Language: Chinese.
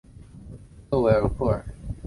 勒韦尔库尔。